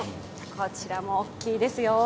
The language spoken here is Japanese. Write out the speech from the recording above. こちらも大きいですよ。